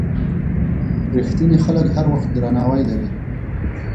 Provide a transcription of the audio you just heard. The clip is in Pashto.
رښتیني خلک هر وخت درناوی لري.